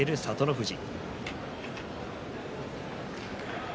富士。